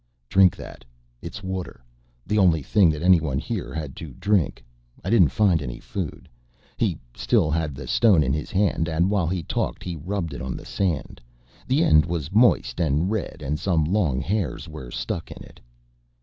"Drink that. It's water, the only thing that anyone here had to drink. I didn't find any food." He still had the stone in his hand and while he talked he rubbed it on the sand: the end was moist and red and some long hairs were stuck in it.